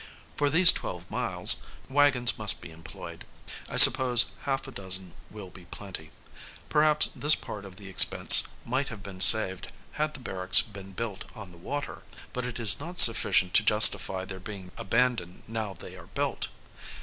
For these twelve miles, wagons must be employed; I suppose half a dozen will be a plenty. Perhaps this part of the expense might have been saved, had the barracks been built on the water; but it is not sufficient to justify their being abandoned now they are built.